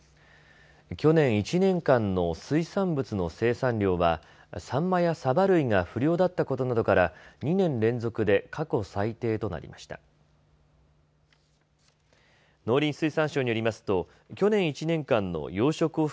去年１年間の水産物の生産量はサンマやサバ類が不漁だったことなどから２年連続で過去最低となりました。